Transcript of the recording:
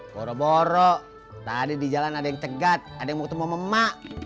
boro boro tadi di jalan ada yang cegat ada yang mau tembak mama